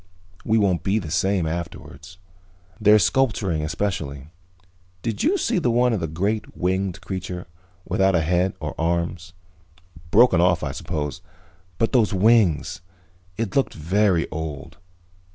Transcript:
We won't be the same afterwards. Their sculpturing, especially. Did you see the one of the great winged creature, without a head or arms? Broken off, I suppose. But those wings It looked very old.